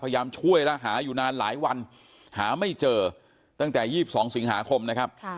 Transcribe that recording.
พยายามช่วยแล้วหาอยู่นานหลายวันหาไม่เจอตั้งแต่๒๒สิงหาคมนะครับ